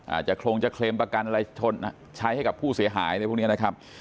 อาจจะโครงจะเคลมประกันอะไรใช้ให้กับผู้เสียหายอะไรพวกนี้นะครับ